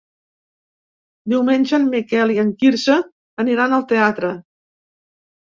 Diumenge en Miquel i en Quirze aniran al teatre.